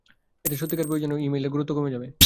এতে সত্যিকার প্রয়োজনেও ই মেইলের গুরুত্ব কমে যাবে।